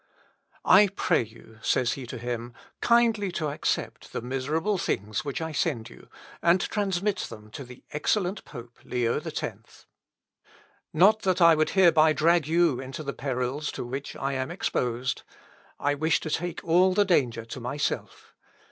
"I pray you," says he to him, "kindly to accept the miserable things which I send you, and transmit them to the excellent pope, Leo X. Not that I would thereby drag you into the perils to which I am exposed. I wish to take all the danger to myself.